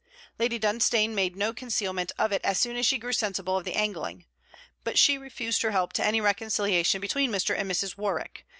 Lady Dunstane made no concealment of it as soon as she grew sensible of the angling. But she refused her help to any reconciliation between Mr. and Mrs. Warwick.